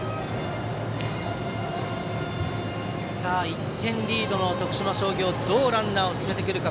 １点リードの徳島商業はどうランナーを進めてくるか。